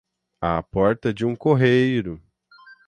à porta de um correeiro